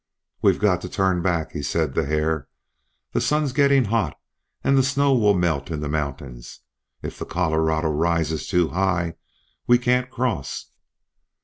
"We've got to turn back," he said to Hare. "The sun's getting hot and the snow will melt in the mountains. If the Colorado rises too high we can't cross."